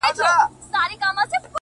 له مودو وروسته يې کرم او خرابات وکړ!